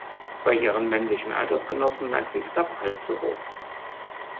Bei ihren männlichen Altersgenossen lag sie knapp halb so hoch.